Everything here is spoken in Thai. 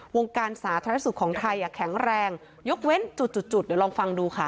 วงการสาธารณสุขของไทยแข็งแรงยกเว้นจุดจุดเดี๋ยวลองฟังดูค่ะ